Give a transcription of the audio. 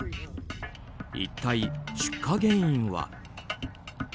一体、出火原因は。